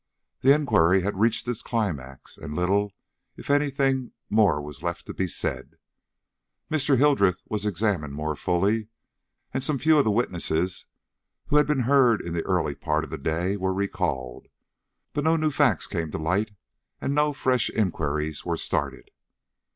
The inquiry had reached its climax, and little, if any thing, more was left to be said. Mr. Hildreth was examined more fully, and some few of the witnesses who had been heard in the early part of the day were recalled, but no new facts came to light, and no fresh inquiries were started.